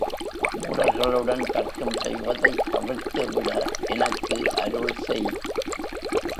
மூடர்களுடன் தர்க்கம் செய்வதைத் தவிர்த்துவிட எனக்கு அருள் செய்!